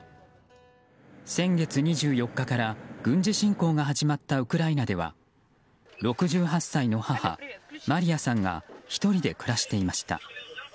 先月２４日から軍事侵攻が始まったウクライナでは６８歳の母マリヤさんが１人で暮らしていました。